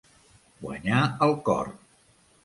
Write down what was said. Guanyar el cor.